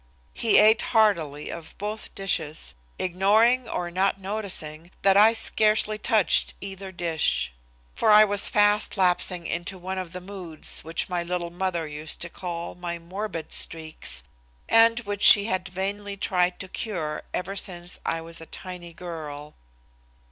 He ate heartily of both dishes, ignoring or not noticing that I scarcely touched either dish. For I was fast lapsing into one of the moods which my little mother used to call my "morbid streaks" and which she had vainly tried to cure ever since I was a tiny girl.